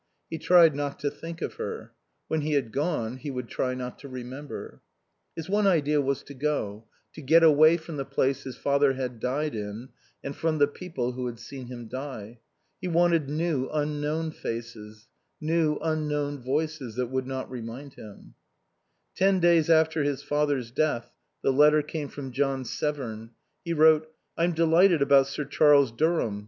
He tried not to think of her. When he had gone he would try not to remember. His one idea was to go, to get away from the place his father had died in and from the people who had seen him die. He wanted new unknown faces, new unknown voices that would not remind him Ten days after his father's death the letter came from John Severn. He wrote: "... I'm delighted about Sir Charles Durham.